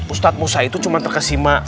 ustadz musa itu cuma terkesima